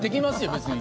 別に。